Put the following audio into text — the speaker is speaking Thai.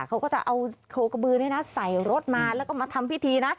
เขาก็จะเอาโคกระบือนี่นะใส่รถมาแล้วก็มาทำพิธีนะ